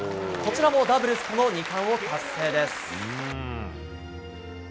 こちらもダブルスとの２冠を達成です。